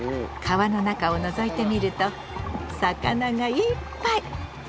川の中をのぞいてみると魚がいっぱい！